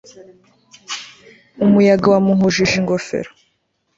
umuyaga wamuhujije ingofero